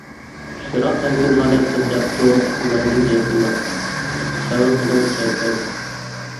شىراق تەمكىن ھالەتتە دەپتۇ مەنزىل يېقىنلا، سەۋر قىلىڭ سەركەردە.